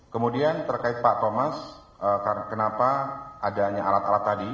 kemudian terkait pak thomas kenapa adanya alat alat tadi